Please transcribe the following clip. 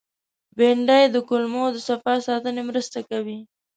بېنډۍ د کولمو د صفا ساتنې مرسته کوي